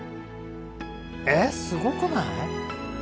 えっすごくない？